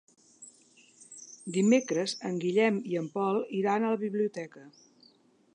Dimecres en Guillem i en Pol iran a la biblioteca.